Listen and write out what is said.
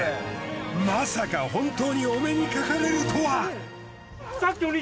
まさか本当にお目にかかれるとは！